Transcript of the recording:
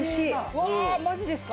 うわあマジですか。